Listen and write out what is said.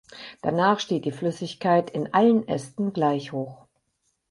Danach steht die Flüssigkeit in allen Ästen gleich hoch.